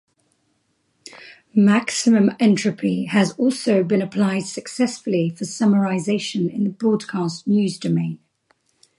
Maximum entropy has also been applied successfully for summarization in the broadcast news domain.